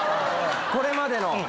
これまでの。